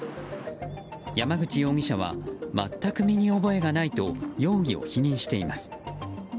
山口容疑者は全く身に覚えがないと容疑を否認しています。